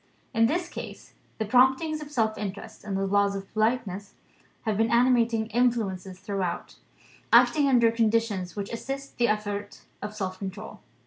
In this case, the promptings of self interest, and the laws of politeness, have been animating influences throughout; acting under conditions which assist the effort of self control.